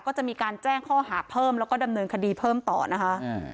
ก็จะมีการแจ้งข้อหาเพิ่มแล้วก็ดำเนินคดีเพิ่มต่อนะคะ